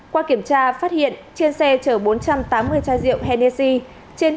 qua kiểm tra phát hiện trên xe chở bốn trăm tám mươi chai rượu hennessy